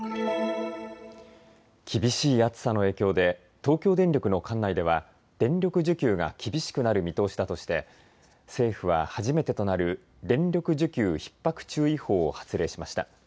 厳しい暑さの影響で東京電力の管内では電力需給が厳しくなる見通しだとして政府は初めてとなる電力需給ひっ迫注意報を発令しました。